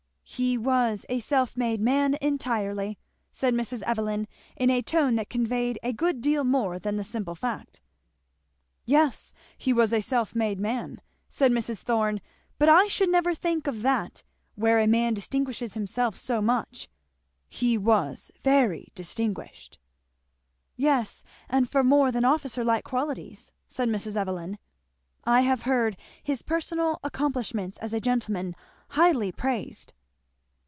"He was a self made man entirely," said Mrs. Evelyn, in a tone that conveyed a good deal more than the simple fact. "Yes, he was a self made man," said Mrs. Thorn, "but I should never think of that where a man distinguishes himself so much; he was very distinguished." "Yes, and for more than officer like qualities," said Mrs. Evelyn. "I have heard his personal accomplishments as a gentleman highly praised."